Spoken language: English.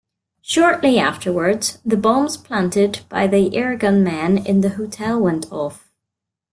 Shortly afterward, the bombs planted by the Irgun men in the hotel went off.